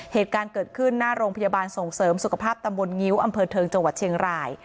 เหตุการณ์เกิดขึ้นหน้าโรงพยาบาลส่งเสริมสุขภาพตำบลงิ้วอำเภอเทิงจังหวัดเชียงราย